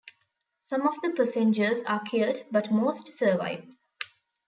Some of the passengers are killed, but most survive.